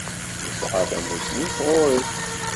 Nesεa tamussni d tɣuri.